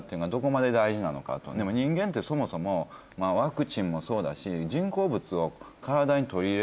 でも人間ってそもそもワクチンもそうだし。